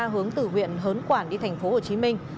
hướng từ huyện hớn quản đi thành phố hồ chí minh